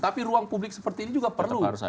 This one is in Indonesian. tapi ruang publik seperti ini juga perlu